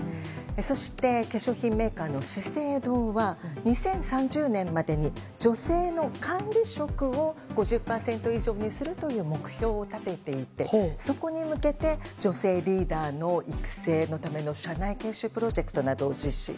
そして、化粧品メーカーの資生堂は２０３０年までに女性の管理職を５０％以上にするという目標を立てていてそこに向けて女性リーダーの育成のための社内研修プロジェクトなどを実施。